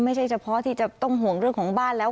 ไม่ใช่เฉพาะที่จะต้องห่วงเรื่องของบ้านแล้ว